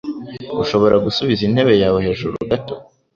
Ushobora gusubiza intebe yawe hejuru gato?